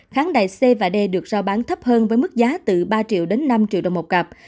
kháng đại c và d được giao bán thấp hơn với mức giá từ ba triệu đến năm triệu đồng một cặp